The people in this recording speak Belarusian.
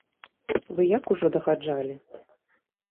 Вы як ужо дагаджалі.